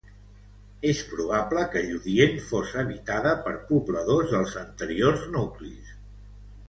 És probable que Lludient fos habitada per pobladors dels anteriors nuclis.